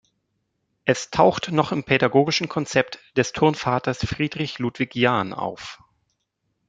Es taucht noch im pädagogischen Konzept des Turnvaters Friedrich Ludwig Jahn auf.